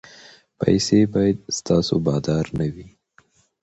پیسې باید ستاسو بادار نه وي.